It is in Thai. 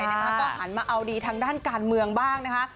ก็หันมาเอาดีทางด้านการเมืองบ้างนะคะ